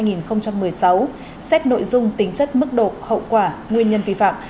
nhiệm kỳ hai nghìn một mươi một hai nghìn một mươi sáu xét nội dung tính chất mức độ hậu quả nguyên nhân vi phạm